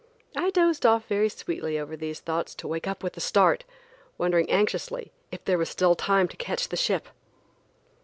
I dozed off very sweetly over these thoughts to wake with a start, wondering anxiously if there was still time to catch the ship.